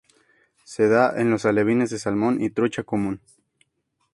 Se da en los alevines de salmón y trucha común.